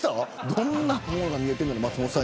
どんなものが見えてんねやろ。